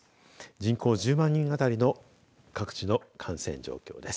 人口１０万人あたりの各地の感染状況です。